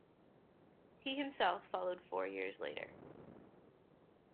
He himself followed four years later.